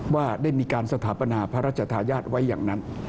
ว่าได้มีการสถาปนาพระราชทายาทไว้อย่างนั้น